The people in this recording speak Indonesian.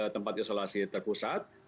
tempat isolasi terpusat